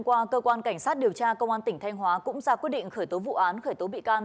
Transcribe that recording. qua cơ quan cảnh sát điều tra công an tỉnh thanh hóa cũng ra quyết định khởi tố vụ án khởi tố bị can